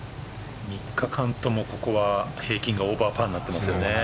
３日間とも、ここは平均がオーバーパーになっていますね。